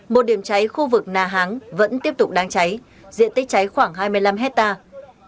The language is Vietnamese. một điểm cháy khu vực nà háng vẫn tiếp tục đang cháy diện tích cháy khoảng hai mươi năm hectare